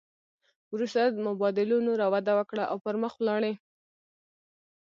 وروسته مبادلو نوره وده وکړه او پرمخ ولاړې